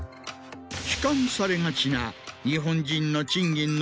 悲観されがちな。